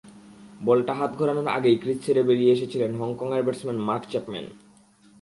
বলটা হাত ঘোরানোর আগেই ক্রিজ ছেড়ে বেরিয়ে এসেছিলেন হংকংয়ের ব্যাটসম্যান মার্ক চ্যাপম্যান।